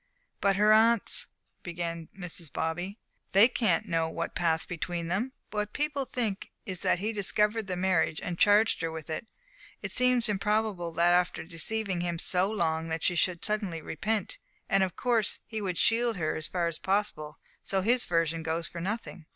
"But her aunts" began Mrs. Bobby. "They can't know what passed between them. What people think is that he discovered the marriage and charged her with it. It seems improbable that after deceiving him so long she should suddenly repent. And of course he would shield her as far as possible, so his version goes for nothing."